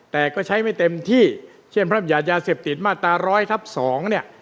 แต่ก็ใช้ไม่เต็มที่เช่นพระบัญญัติยาเสพติดมาตราร้อยทับสองเนี่ย